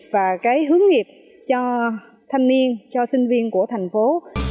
và cái hướng nghiệp cho thanh niên cho sinh viên của thành phố